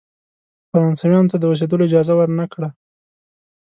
فرانسویانو ته د اوسېدلو اجازه ورنه کړی.